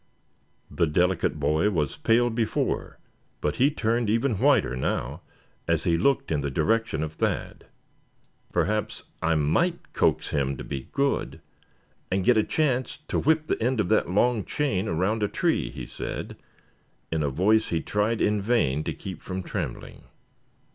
The delicate boy was pale before, but he turned even whiter now, as he looked in the direction of Thad. "Perhaps I might coax him to be good; and get a chance to whip the end of that long chain around a tree," he said, in a voice he tried in vain to keep from trembling.